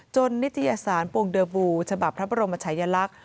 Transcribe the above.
จนนิทยาศาสตร์ปวงเดอร์วูฉบับพระบรมชัยลักษณ์